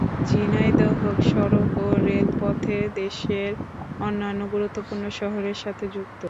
ঝিনাইদহ সড়ক ও রেল পথে দেশের অন্যান্য গুরুত্বপূর্ণ শহরের সাথে যুক্ত।